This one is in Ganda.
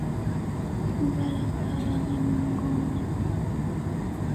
Mubala gwa ba Namungoona.